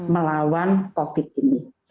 melawan covid ini